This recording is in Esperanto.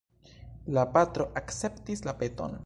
La patro akceptis la peton.